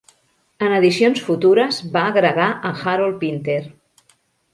En edicions futures, va agregar a Harold Pinter.